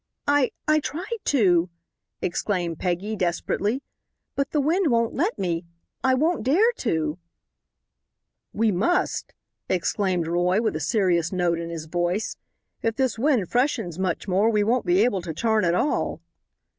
"I I tried to," exclaimed Peggy, desperately, "but the wind won't let me. I don't dare to." "We must," exclaimed Roy, with a serious note in his voice; "if this wind freshens much more we won't be able to turn at all."